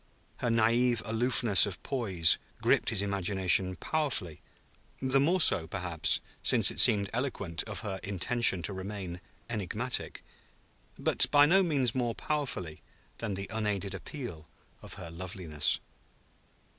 Her naïve aloofness of poise gripped his imagination powerfully, the more so, perhaps, since it seemed eloquent of her intention to remain enigmatic, but by no means more powerfully than the unaided appeal of her loveliness.